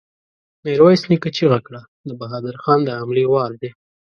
ميرويس نيکه چيغه کړه! د بهادر خان د حملې وار دی!